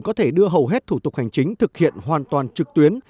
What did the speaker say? có thể đưa hầu hết thủ tục hành chính thực hiện hoàn toàn trực tuyến